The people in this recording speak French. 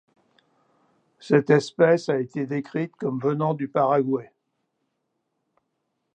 Cette espèce a été décrite comme venant du Paraguay.